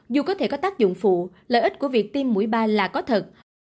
dù có thể có tác dụng phụ lợi ích của việc tiêm mũi ba là có thật